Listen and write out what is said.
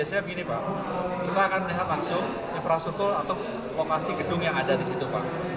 biasanya begini pak kita akan melihat langsung infrastruktur atau lokasi gedung yang ada di situ pak